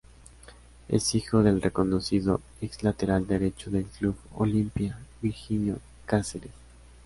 Es hijo del reconocido ex lateral derecho del Club Olimpia, Virginio Cáceres.